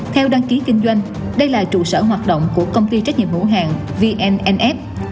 theo đăng ký kinh doanh đây là trụ sở hoạt động của công ty trách nhiệm hữu hạn vnnf